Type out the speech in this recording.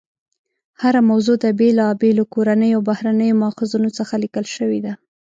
هره موضوع د بېلابېلو کورنیو او بهرنیو ماخذونو څخه لیکل شوې ده.